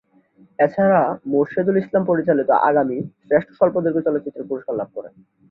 এছাড়া মোরশেদুল ইসলাম পরিচালিত "আগামী" শ্রেষ্ঠ স্বল্পদৈর্ঘ্য চলচ্চিত্রের পুরস্কার লাভ করে।